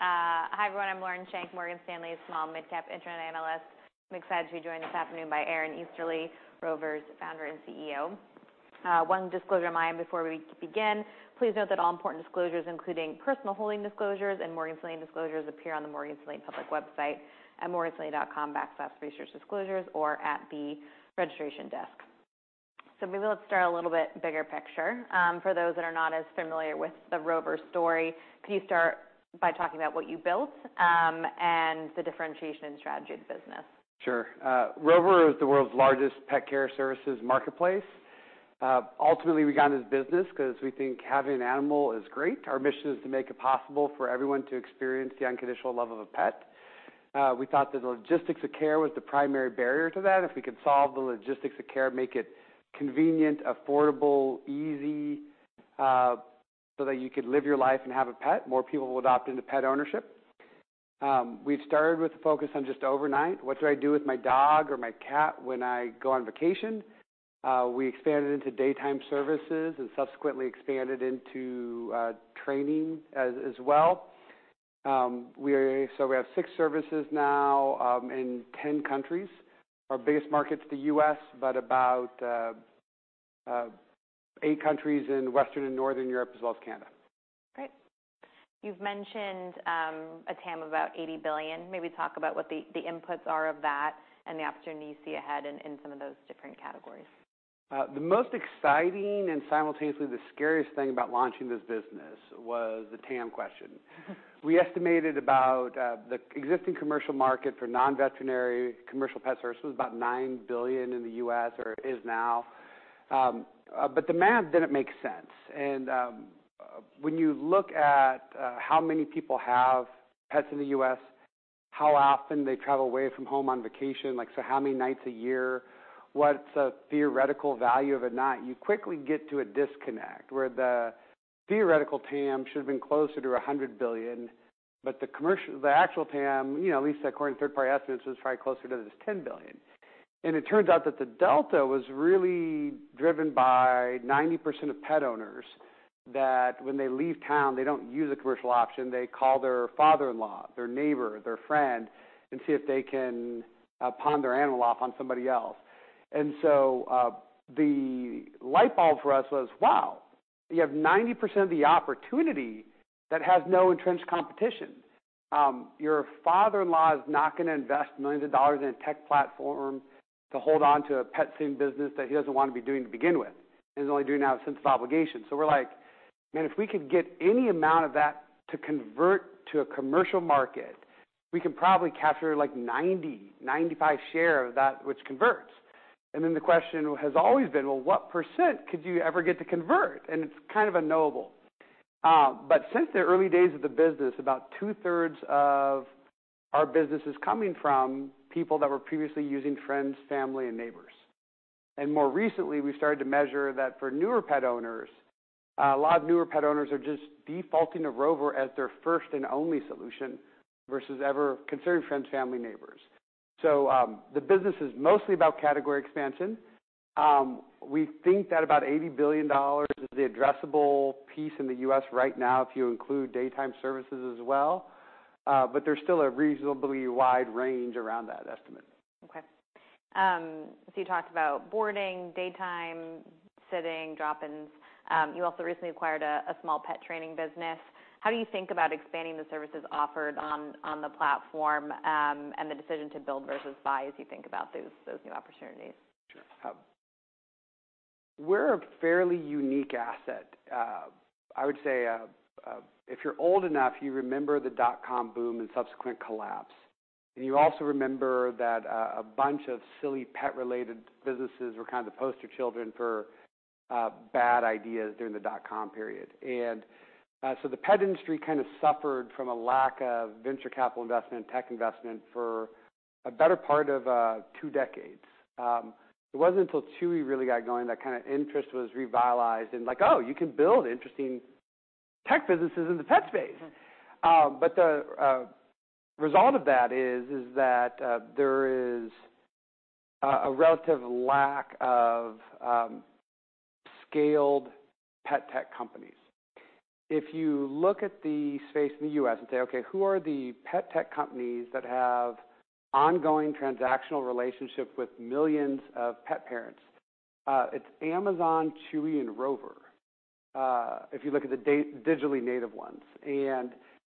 Hi, everyone. I'm Lauren Schenk, Morgan Stanley's Small and Mid-Cap Internet Analyst. I'm excited to be joined this afternoon by Aaron Easterly, Rover's Co-Founder and CEO. One disclosure of mine before we begin. Please note that all important disclosures, including personal holding disclosures and Morgan Stanley disclosures, appear on the Morgan Stanley public website at morganstanley.com/researchdisclosures or at the registration desk. Maybe let's start a little bit bigger picture. For those that are not as familiar with the Rover story, can you start by talking about what you built, and the differentiation and strategy of the business? Sure. Rover is the world's largest pet care services marketplace. Ultimately, we got into this business 'cause we think having an animal is great. Our mission is to make it possible for everyone to experience the unconditional love of a pet. We thought that the logistics of care was the primary barrier to that. If we could solve the logistics of care, make it convenient, affordable, easy, so that you could live your life and have a pet, more people will adopt into pet ownership. We started with the focus on just overnight. What do I do with my dog or my cat when I go on vacation? We expanded into daytime services and subsequently expanded into training as well. We have six services now, in 10 countries. Our biggest market's the U.S., but about eight countries in Western and Northern Europe as well as Canada. Great. You've mentioned, a TAM of about $80 billion. Maybe talk about what the inputs are of that and the opportunity you see ahead in some of those different categories? The most exciting and simultaneously the scariest thing about launching this business was the TAM question. We estimated about the existing commercial market for non-veterinary commercial pet services was about $9 billion in the U.S., or is now. The math didn't make sense. When you look at how many people have pets in the U.S., how often they travel away from home on vacation, like, so how many nights a year, what's the theoretical value of a night, you quickly get to a disconnect where the theoretical TAM should have been closer to $100 billion, but the actual TAM, you know, at least according to third-party estimates, was probably closer to this $10 billion. It turns out that the delta was really driven by 90% of pet owners that when they leave town, they don't use a commercial option. They call their father-in-law, their neighbor, their friend, and see if they can pawn their animal off on somebody else. The light bulb for us was, wow, you have 90% of the opportunity that has no entrenched competition. Your father-in-law is not gonna invest millions of dollars in a tech platform to hold on to a pet sitting business that he doesn't wanna be doing to begin with, and is only doing out of sense of obligation. We're like, man, if we could get any amount of that to convert to a commercial market, we can probably capture, like, 90%-95% share of that which converts. The question has always been, well, what percent could you ever get to convert? It's kind of unknowable. Since the early days of the business, about 2/3 of our business is coming from people that were previously using friends, family, and neighbors. More recently, we started to measure that for newer pet owners, a lot of newer pet owners are just defaulting to Rover as their first and only solution versus ever considering friends, family, neighbors. The business is mostly about category expansion. We think that about $80 billion is the addressable piece in the U.S. right now, if you include daytime services as well. There's still a reasonably wide range around that estimate. Okay. You talked about boarding, daytime sitting, drop-ins. You also recently acquired a small pet training business. How do you think about expanding the services offered on the platform, and the decision to build versus buy as you think about those new opportunities? Sure. We're a fairly unique asset. I would say, if you're old enough, you remember the dot-com boom and subsequent collapse. You also remember that a bunch of silly pet-related businesses were kinda the poster children for bad ideas during the dot-com period. The pet industry kind of suffered from a lack of venture capital investment, tech investment for a better part of two decades. It wasn't until Chewy really got going that kind of interest was revitalized and like, oh, you can build interesting tech businesses in the pet space. Mm-hmm. The result of that is that there is a relative lack of scaled pet tech companies. If you look at the space in the U.S. and say, okay, who are the pet tech companies that have ongoing transactional relationship with millions of pet parents? It's Amazon, Chewy, and Rover, if you look at the digitally native ones, and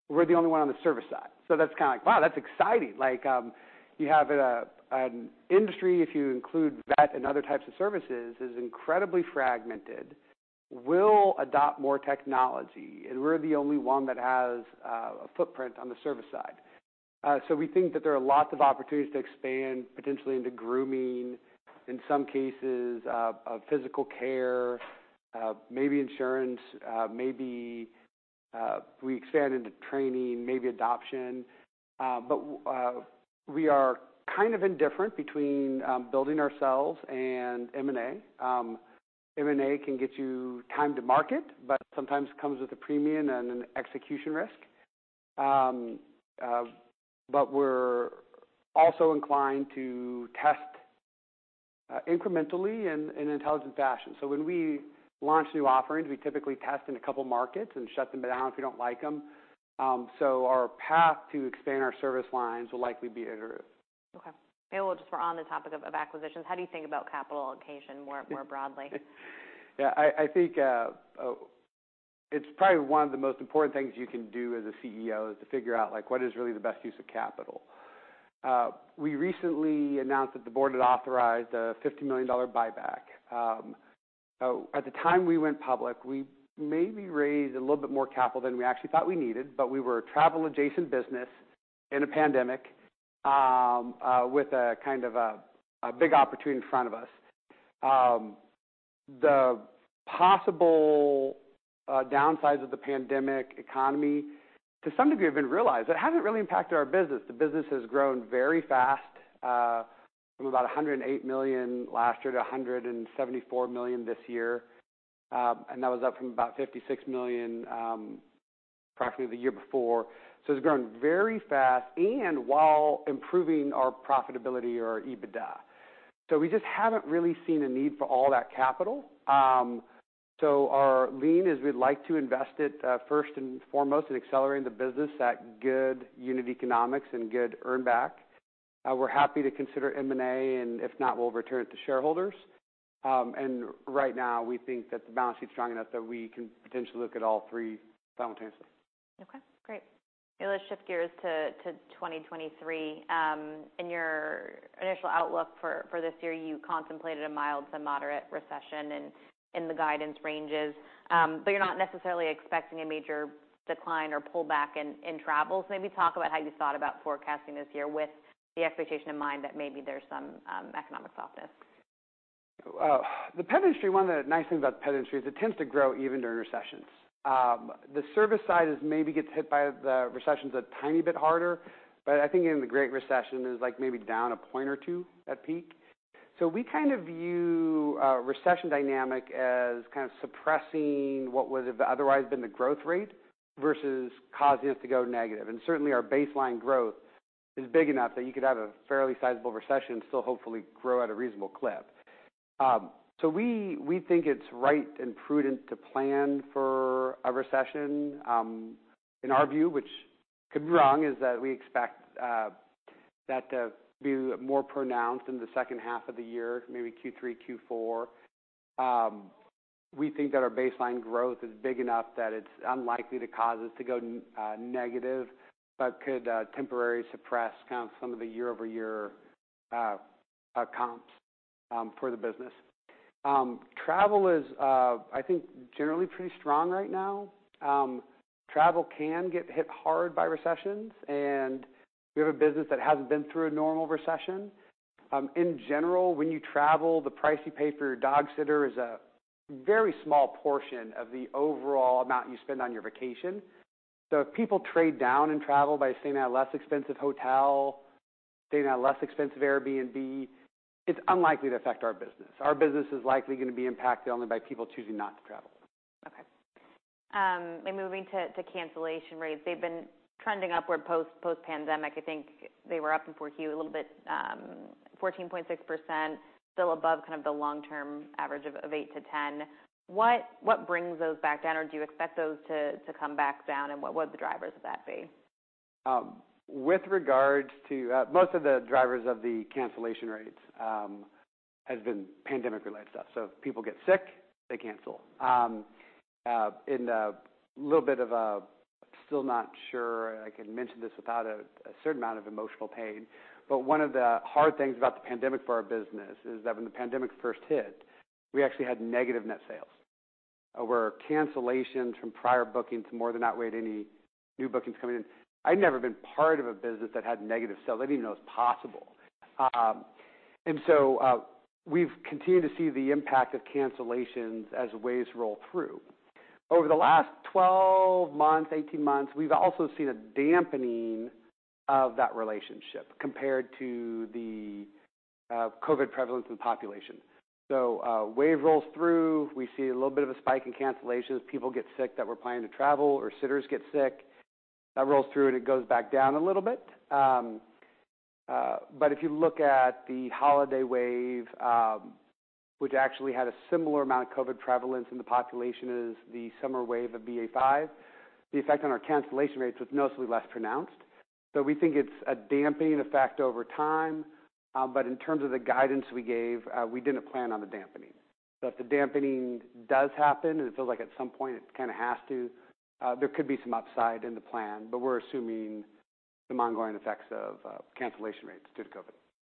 we're the only one on the service side. That's kinda like, wow, that's exciting. Like, you have an industry, if you include vet and other types of services, is incredibly fragmented. We'll adopt more technology, and we're the only one that has a footprint on the service side. We think that there are lots of opportunities to expand potentially into grooming, in some cases, physical care, maybe insurance, maybe we expand into training, maybe adoption. We are kind of indifferent between building ourselves and M&A. M&A can get you time to market, but sometimes comes with a premium and an execution risk. We're also inclined to test incrementally in an intelligent fashion. When we launch new offerings, we typically test in a couple markets and shut them down if we don't like them. Our path to expand our service lines will likely be iterative. Okay. Maybe we're on the topic of acquisitions. How do you think about capital allocation more broadly? Yeah, I think it's probably one of the most important things you can do as a CEO is to figure out, like, what is really the best use of capital. We recently announced that the board had authorized a $50 million buyback. At the time we went public, we maybe raised a little bit more capital than we actually thought we needed, but we were a travel-adjacent business in a pandemic, with a kind of a big opportunity in front of us. The possible downsides of the pandemic economy to some degree have been realized. It hasn't really impacted our business. The business has grown very fast, from about $108 million last year to $174 million this year. That was up from about $56 million practically the year before. It's grown very fast and while improving our profitability or our EBITDA. We just haven't really seen a need for all that capital. Our lean is we'd like to invest it, first and foremost in accelerating the business at good unit economics and good earn back. We're happy to consider M&A. If not, we'll return it to shareholders. Right now, we think that the balance sheet's strong enough that we can potentially look at all three simultaneously. Okay, great. Let's shift gears to 2023. In your initial outlook for this year, you contemplated a mild to moderate recession in the guidance ranges. You're not necessarily expecting a major decline or pullback in travel. Maybe talk about how you thought about forecasting this year with the expectation in mind that maybe there's some economic softness. Well, the pet industry, one of the nice things about the pet industry is it tends to grow even during recessions. The service side is maybe gets hit by the recessions a tiny bit harder, but I think in the Great Recession, it was like maybe down a point or two at peak. We kind of view a recession dynamic as kind of suppressing what would have otherwise been the growth rate versus causing us to go negative. Certainly, our baseline growth is big enough that you could have a fairly sizable recession and still hopefully grow at a reasonable clip. We, we think it's right and prudent to plan for a recession. In our view, which could be wrong, is that we expect that to be more pronounced in the second half of the year, maybe Q3, Q4. We think that our baseline growth is big enough that it's unlikely to cause us to go negative, but could temporarily suppress kind of some of the year-over-year comps for the business. Travel is, I think, generally pretty strong right now. Travel can get hit hard by recessions, and we have a business that hasn't been through a normal recession. In general, when you travel, the price you pay for your dog sitter is a very small portion of the overall amount you spend on your vacation. If people trade down in travel by staying at a less expensive hotel, staying at a less expensive Airbnb, it's unlikely to affect our business. Our business is likely gonna be impacted only by people choosing not to travel. Okay. Moving to cancellation rates, they've been trending upward post-pandemic. I think they were up in 4Q a little bit, 14.6%, still above kind of the long-term average of 8%-10%. What brings those back down, or do you expect those to come back down, and what would the drivers of that be? With regards to most of the drivers of the cancellation rates, has been pandemic-related stuff. If people get sick, they cancel. In a little bit of a still not sure I can mention this without a certain amount of emotional pain, but one of the hard things about the pandemic for our business is that when the pandemic first hit, we actually had negative net sales, where cancellations from prior bookings more than outweighed any new bookings coming in. I'd never been part of a business that had negative sales. I didn't even know it was possible. We've continued to see the impact of cancellations as waves roll through. Over the last 12 months, 18 months, we've also seen a dampening of that relationship compared to the COVID prevalence in the population. Wave rolls through, we see a little bit of a spike in cancellations. People get sick that were planning to travel or sitters get sick. That rolls through, and it goes back down a little bit. But if you look at the holiday wave, which actually had a similar amount of COVID prevalence in the population as the summer wave of BA.5, the effect on our cancellation rates was noticeably less pronounced. We think it's a dampening effect over time, but in terms of the guidance we gave, we didn't plan on the dampening. If the dampening does happen, and it feels like at some point it kinda has to, there could be some upside in the plan, but we're assuming some ongoing effects of cancellation rates due to COVID.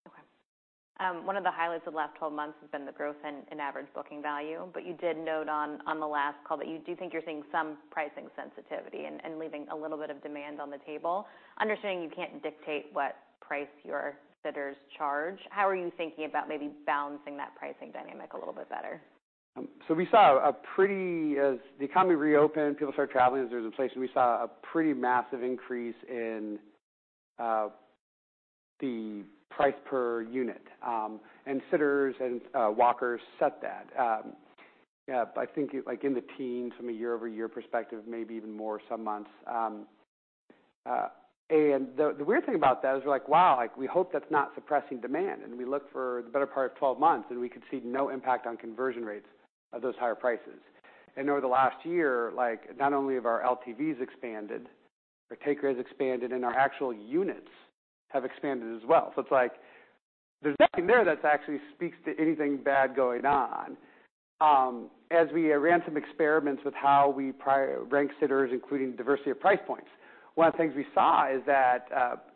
Okay. One of the highlights of the last 12 months has been the growth in average booking value. You did note on the last call that you do think you're seeing some pricing sensitivity and leaving a little bit of demand on the table. Understanding you can't dictate what price your sitters charge, how are you thinking about maybe balancing that pricing dynamic a little bit better? As the economy reopened, people started traveling, as there was in place, we saw a pretty massive increase in the price per unit. Sitters and walkers set that. I think, like, in the teens from a year-over-year perspective, maybe even more some months, the weird thing about that is we're like, wow, like, we hope that's not suppressing demand. We look for the better part of 12 months, we could see no impact on conversion rates of those higher prices. Over the last year, like, not only have our LTVs expanded, our taker has expanded, our actual units have expanded as well. It's like, there's nothing there that actually speaks to anything bad going on. As we ran some experiments with how we rank sitters, including diversity of price points, one of the things we saw is that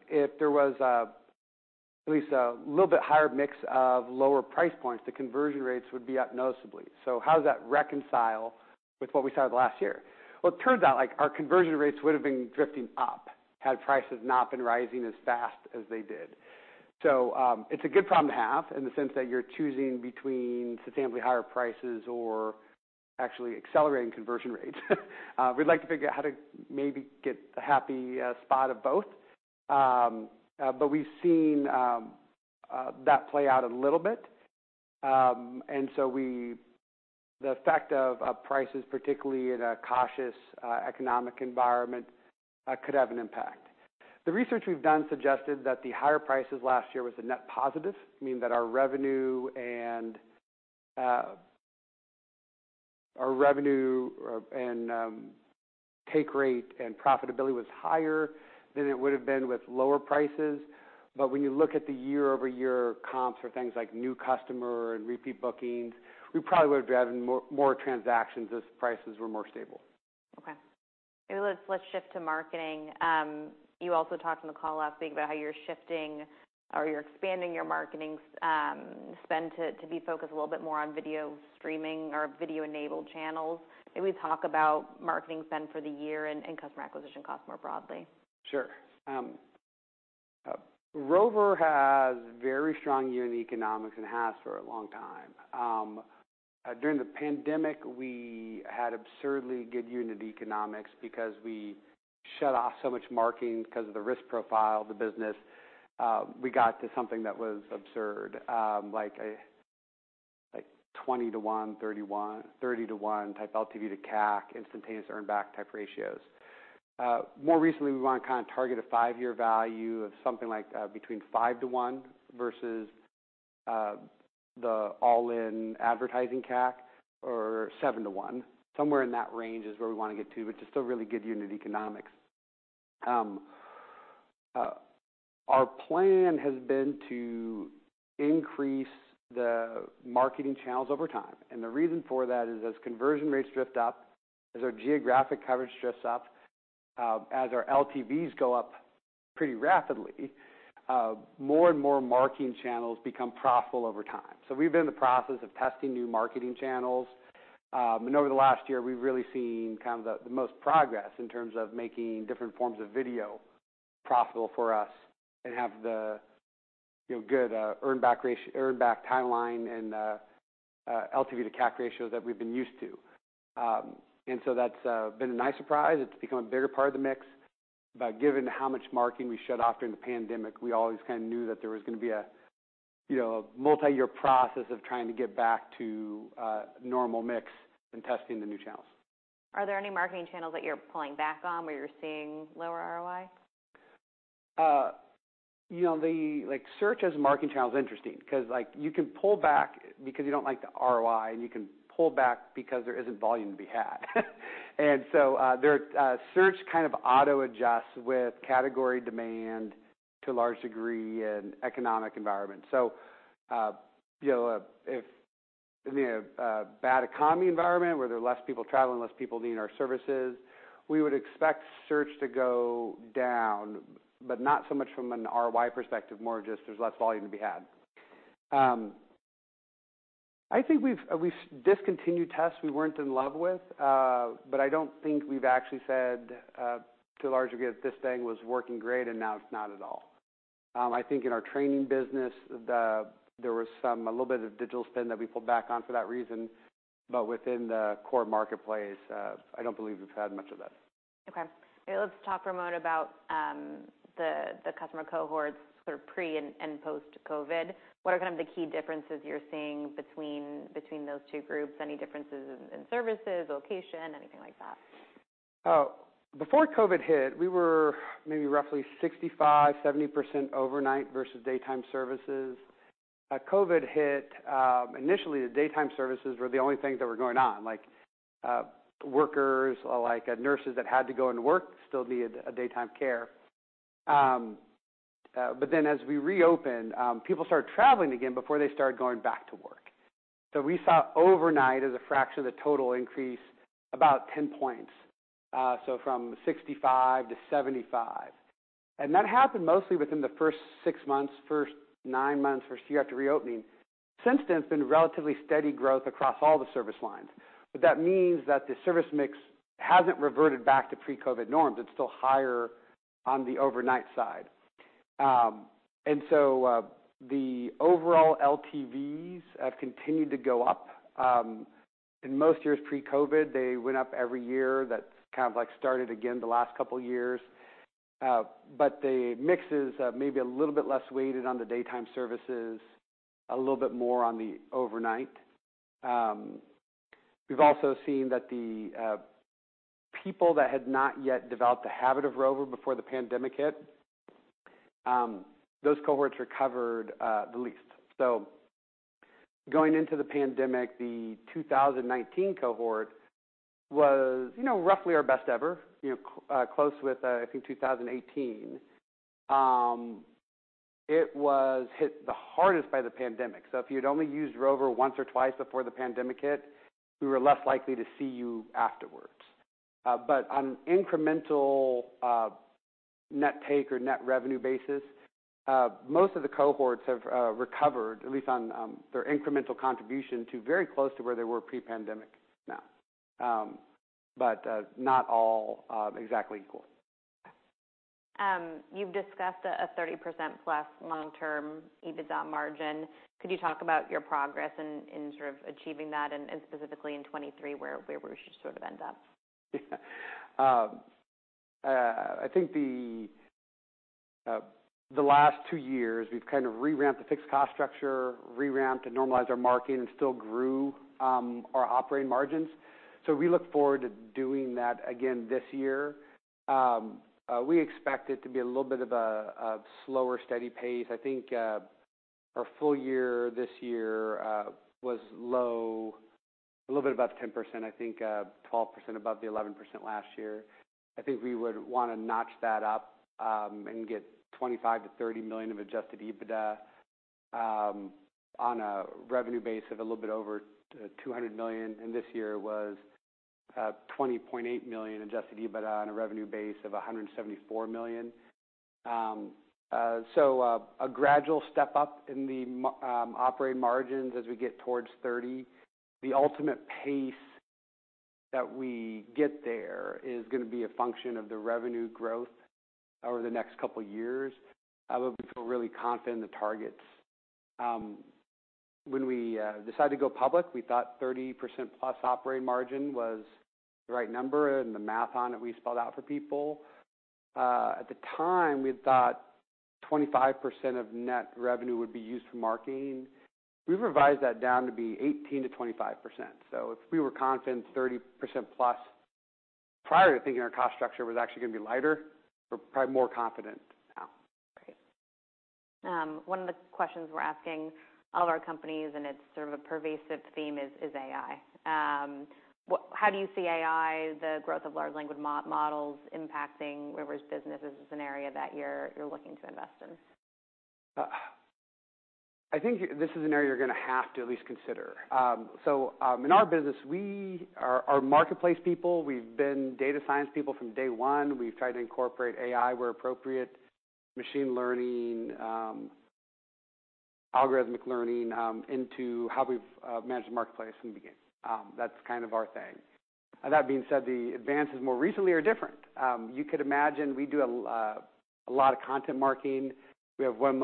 if there was at least a little bit higher mix of lower price points, the conversion rates would be up noticeably. How does that reconcile with what we saw last year? Well, it turns out, like, our conversion rates would have been drifting up had prices not been rising as fast as they did. It's a good problem to have in the sense that you're choosing between substantially higher prices or actually accelerating conversion rates. We'd like to figure out how to maybe get the happy spot of both. But we've seen that play out a little bit. We... The effect of prices, particularly in a cautious economic environment, could have an impact. The research we've done suggested that the higher prices last year was a net positive, meaning that our revenue and take rate and profitability was higher than it would have been with lower prices. When you look at the year-over-year comps for things like new customer and repeat bookings, we probably would have driven more transactions as prices were more stable. Okay. Maybe let's shift to marketing. You also talked on the call last week about how you're shifting or you're expanding your marketing spend to be focused a little bit more on video streaming or video-enabled channels. Maybe talk about marketing spend for the year and customer acquisition costs more broadly. Sure. Rover has very strong unit economics and has for a long time. During the pandemic, we had absurdly good unit economics because we shut off so much marketing because of the risk profile of the business. We got to something that was absurd, like 20 to one, 30 to one type LTV to CAC, instantaneous earn back type ratios. More recently, we want to kind of target a five-year value of something like between five to one versus the all-in advertising CAC or seven to one. Somewhere in that range is where we want to get to, which is still really good unit economics. Our plan has been to increase the marketing channels over time. The reason for that is as conversion rates drift up, as our geographic coverage drifts up, as our LTVs go up pretty rapidly, more and more marketing channels become profitable over time. We've been in the process of testing new marketing channels. Over the last year, we've really seen kind of the most progress in terms of making different forms of video profitable for us and have the, you know, good earn back timeline and LTV to CAC ratio that we've been used to. That's been a nice surprise. It's become a bigger part of the mix, but given how much marketing we shut off during the pandemic, we always kinda knew that there was gonna be a, you know, multi-year process of trying to get back to a normal mix and testing the new channels. Are there any marketing channels that you're pulling back on where you're seeing lower ROI? you know, Like, search as a marketing channel is interesting 'cause, like, you can pull back because you don't like the ROI, and you can pull back because there isn't volume to be had. There, search kind of auto-adjusts with category demand to a large degree and economic environment. You know, if, you know, bad economy environment where there are less people traveling, less people needing our services, we would expect search to go down, but not so much from an ROI perspective, more just there's less volume to be had. I think we've discontinued tests we weren't in love with, but I don't think we've actually said, to a large degree that this thing was working great and now it's not at all. I think in our training business, there was some a little bit of digital spend that we pulled back on for that reason. Within the core marketplace, I don't believe we've had much of that. Okay. Let's talk, Ramon, about the customer cohorts sort of pre and post-COVID. What are kind of the key differences you're seeing between those two groups? Any differences in services, location, anything like that? Before COVID hit, we were maybe roughly 65%, 70% overnight versus daytime services. COVID hit, initially, the daytime services were the only things that were going on, workers, nurses that had to go into work still needed a daytime care. As we reopened, people started traveling again before they started going back to work. We saw overnight as a fraction of the total increase about 10 points, from 65 to 75. That happened mostly within the first six months, first nine months, one year after reopening. Since then, it's been relatively steady growth across all the service lines, but that means that the service mix hasn't reverted back to pre-COVID norms. It's still higher on the overnight side. The overall LTVs have continued to go up. In most years pre-COVID, they went up every year. That's kind of, like, started again the last couple years. The mix is, maybe a little bit less weighted on the daytime services, a little bit more on the overnight. We've also seen that the people that had not yet developed the habit of Rover before the pandemic hit, those cohorts recovered the least. Going into the pandemic, the 2019 cohort was, you know, roughly our best ever, you know, close with, I think 2018. It was hit the hardest by the pandemic. If you'd only used Rover once or twice before the pandemic hit, we were less likely to see you afterwards. On incremental, net take or net revenue basis, most of the cohorts have recovered, at least on their incremental contribution to very close to where they were pre-pandemic now. Not all exactly equal. You've discussed a 30%+ long-term EBITDA margin. Could you talk about your progress in sort of achieving that and specifically in 2023 where we should sort of end up? Yeah. I think the last two years we've kind of reramped the fixed cost structure, reramped and normalized our marketing and still grew our operating margins. We look forward to doing that again this year. We expect it to be a little bit of a slower, steady pace. I think our full year this year was low, a little bit above 10%, I think 12% above the 11% last year. I think we would wanna notch that up and get $25 million-$30 million of Adjusted EBITDA on a revenue base of a little bit over $200 million, and this year was $20.8 million Adjusted EBITDA on a revenue base of $174 million. A gradual step up in operating margins as we get towards 30%. The ultimate pace that we get there is gonna be a function of the revenue growth over the next couple years. We feel really confident in the targets. When we decided to go public, we thought 30%+ operating margin was the right number and the math on it we spelled out for people. At the time, we had thought 25% of net revenue would be used for marketing. We've revised that down to be 18%-25%. If we were confident 30%+ prior to thinking our cost structure was actually gonna be lighter, we're probably more confident now. Great. one of the questions we're asking all of our companies, and it's sort of a pervasive theme, is AI. how do you see AI, the growth of large language models impacting Rover's business? Is this an area that you're looking to invest in? I think this is an area you're gonna have to at least consider. In our business, we are marketplace people. We've been data science people from day one. We've tried to incorporate AI where appropriate, machine learning, algorithmic learning, into how we've managed the marketplace from the beginning. That's kind of our thing. That being said, the advances more recently are different. You could imagine we do a lot of content marketing. We have one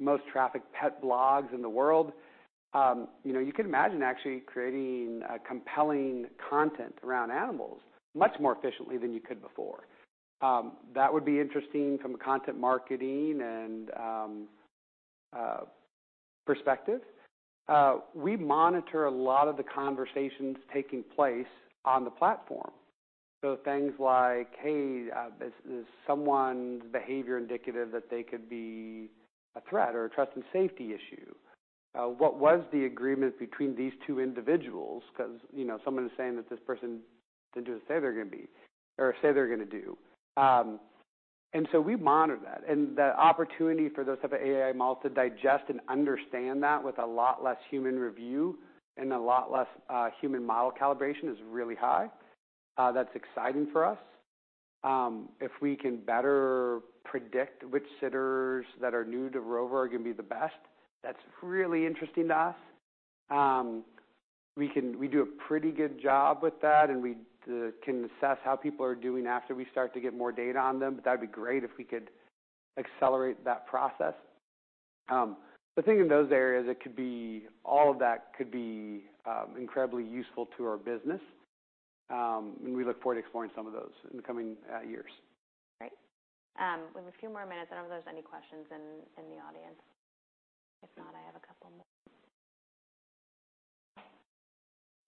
most trafficked pet blogs in the world. You know, you could imagine actually creating compelling content around animals much more efficiently than you could before. That would be interesting from a content marketing and perspective. We monitor a lot of the conversations taking place on the platform. Things like, hey, is someone's behavior indicative that they could be a threat or a trust and safety issue? What was the agreement between these two individuals? 'Cause, you know, someone is saying that this person didn't do what they say they're gonna be or say they're gonna do. We monitor that, the opportunity for those type of AI models to digest and understand that with a lot less human review and a lot less human model calibration is really high. That's exciting for us. If we can better predict which sitters that are new to Rover are gonna be the best, that's really interesting to us. We do a pretty good job with that, and we can assess how people are doing after we start to get more data on them, but that'd be great if we could accelerate that process. Thinking in those areas, it could be, all of that could be, incredibly useful to our business, and we look forward to exploring some of those in the coming years. Great. We have a few more minutes. I don't know if there's any questions in the audience. If not, I have a couple more.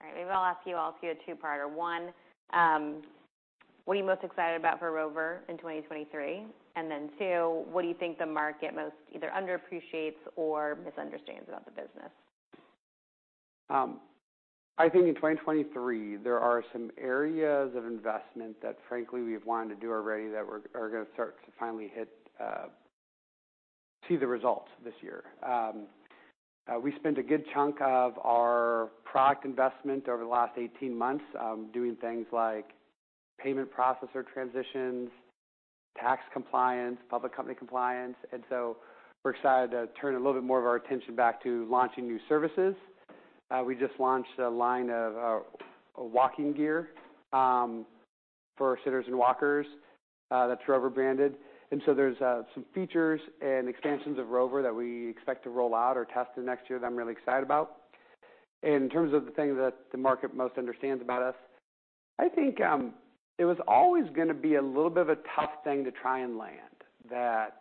All right. Maybe I'll ask you all to do a two-parter. One, what are you most excited about for Rover in 2023? Two, what do you think the market most either underappreciates or misunderstands about the business? I think in 2023, there are some areas of investment that frankly we've wanted to do already that are gonna start to finally hit, see the results this year. We spent a good chunk of our product investment over the last 18 months, doing things like payment processor transitions, tax compliance, public company compliance. We're excited to turn a little bit more of our attention back to launching new services. We just launched a line of walking gear for sitters and walkers that's Rover branded. There's some features and expansions of Rover that we expect to roll out or test in the next year that I'm really excited about. In terms of the thing that the market most understands about us, I think, it was always gonna be a little bit of a tough thing to try and land, that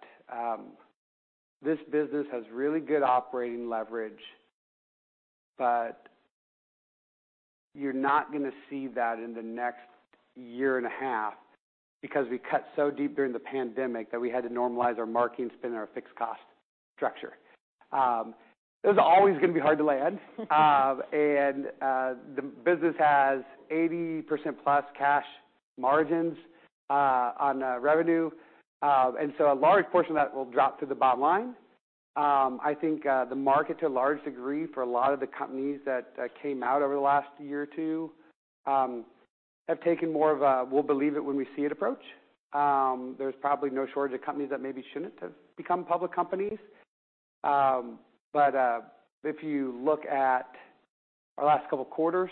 this business has really good operating leverage, but you're not gonna see that in the next year and a half because we cut so deep during the pandemic that we had to normalize our marketing spend and our fixed cost structure. It was always gonna be hard to land. The business has 80% plus cash margins on revenue, and so a large portion of that will drop to the bottom line. I think the market, to a large degree, for a lot of the companies that came out over the last year or two, have taken more of a we'll believe it when we see it approach. There's probably no shortage of companies that maybe shouldn't have become public companies. If you look at our last couple quarters,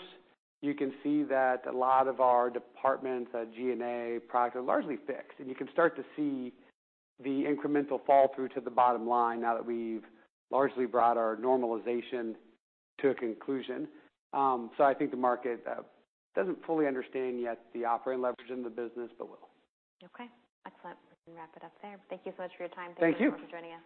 you can see that a lot of our departments, G&A products are largely fixed, and you can start to see the incremental fall through to the bottom line now that we've largely brought our normalization to a conclusion. I think the market doesn't fully understand yet the operating leverage in the business, but will. Okay. Excellent. We can wrap it up there. Thank you so much for your time today. Thank you. For joining us.